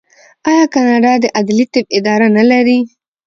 آیا کاناډا د عدلي طب اداره نلري؟